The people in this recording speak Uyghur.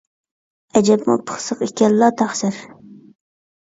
ئەجەبمۇ پىخسىق ئىكەنلا، تەقسىر.